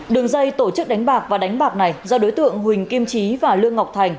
đường dây tổ chức đánh bạc và đánh bạc này do đối tượng huỳnh kim trí và lương ngọc thành